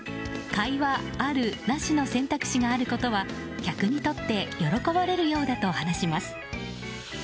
会話ある・なしの選択肢があることは客にとって喜ばれるようだと話します。